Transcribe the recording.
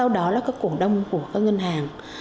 đó là các cổ đông của các ngân hàng